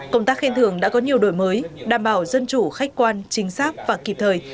công tác khen thưởng đã có nhiều đổi mới đảm bảo dân chủ khách quan chính xác và kịp thời